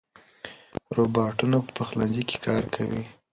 روباټونه په پخلنځي کې کار کوي.